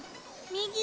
右！